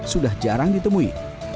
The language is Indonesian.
sudah jarang ditemui